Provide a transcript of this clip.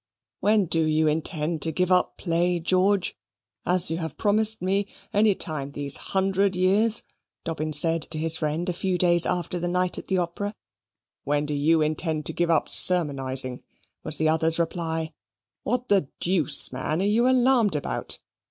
"When do you intend to give up play, George, as you have promised me, any time these hundred years?" Dobbin said to his friend a few days after the night at the Opera. "When do you intend to give up sermonising?" was the other's reply. "What the deuce, man, are you alarmed about?